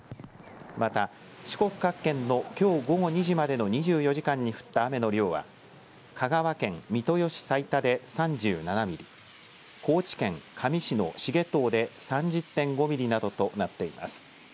また四国各県のきょう午後２時までの２４時間に降った雨の量は香川県三豊市財田で３７ミリ、高知県香美市の繁藤で３０．５ミリなどとなっています。